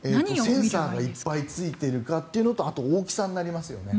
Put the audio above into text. センサーがいっぱいついているかというのとあと、大きさになりますね。